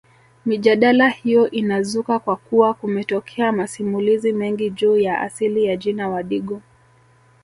Mijadala hiyo inazuka kwa kuwa kumetokea masimulizi mengi juu ya asili ya jina Wadigo